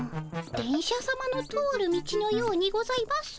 電車さまの通る道のようにございます。